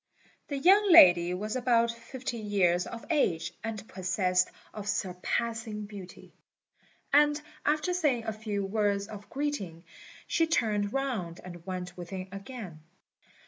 The young lady was about fifteen years of age, and possessed of surpassing beauty; and after saying a few words of greeting, she turned round and went within again.